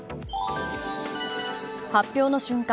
発表の瞬間